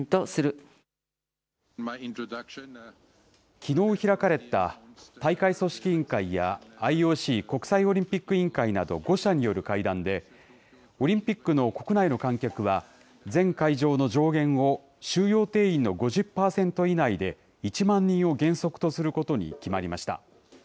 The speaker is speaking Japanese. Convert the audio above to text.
きのう開かれた、大会組織委員会やＩＯＣ・国際オリンピック委員会など、５者による会談で、オリンピックの国内の観客は、全会場の上限を収容定員の５０％以内で１万人を原則とすることに決まりました。